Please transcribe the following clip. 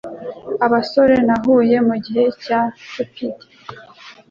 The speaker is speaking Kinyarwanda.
Abasore nahuye mugihe cya Cupid